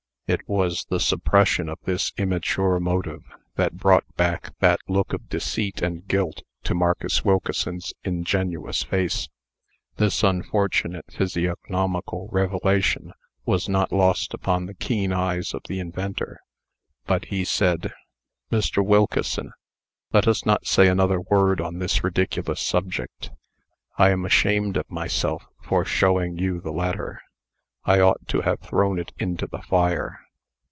It was the suppression of this immature motive, that brought back that look of deceit and guilt to Marcus Wilkeson's ingenuous face. This unfortunate physiognomical revelation was not lost upon the keen eyes of the inventor. But he said: "Mr. Wilkeson, let us not say another word on this ridiculous subject. I am ashamed of myself for showing you the letter. I ought to have thrown it into the fire."